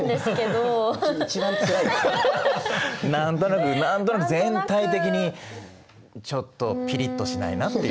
何となく何となく全体的にちょっとピリッとしないなっていう。